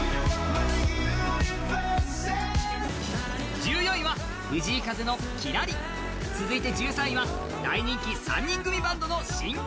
１４位は藤井風の「きらり」。続いて１３位は大人気３人組バンドの新曲。